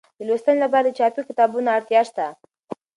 د لوستنې لپاره د چاپي کتابونو اړتیا شته.